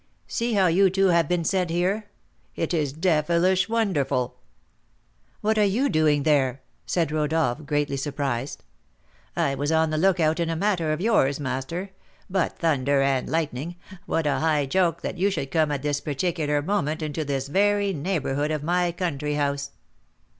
See how you two have been sent here. It is devilish wonderful!" "What are you doing there?" said Rodolph, greatly surprised. "I was on the lookout in a matter of yours, master; but, thunder and lightning! what a high joke that you should come at this particular moment into this very neighbourhood of my country house!